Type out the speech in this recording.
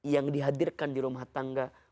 yang dihadirkan di rumah tangga